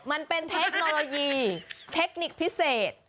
มันเป็นเทคโนโลยีเทคนิคพิเศษ